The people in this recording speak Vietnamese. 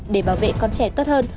để bảo vệ con trẻ tốt hơn